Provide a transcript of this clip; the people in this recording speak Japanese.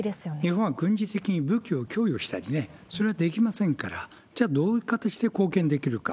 日本は軍事的に武器を供与したりね、それはできませんから、じゃあ、どういう形で貢献できるか。